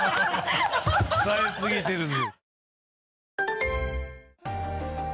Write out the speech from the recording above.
伝えすぎてるぜ。